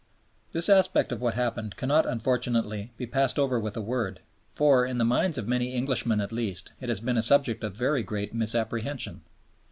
This aspect of what happened cannot, unfortunately, be passed over with a word, for in the minds of many Englishmen at least it has been a subject of very great misapprehension.